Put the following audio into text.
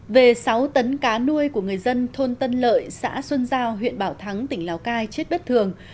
về sáu tấn cá nuôi của người dân thôn tân lợi xã xuân giao huyện bảo thắng tỉnh lào cai chết bất thường